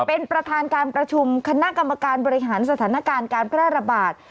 เป็นประธานการประชุมคณะกรรมการบริหารสถานการณ์การแพร่ระบาด